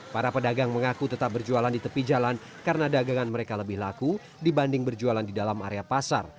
para pedagang mengaku tetap berjualan di tepi jalan karena dagangan mereka lebih laku dibanding berjualan di dalam area pasar